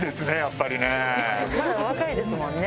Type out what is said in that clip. まだお若いですもんね？